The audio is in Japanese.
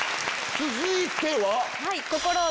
続いては？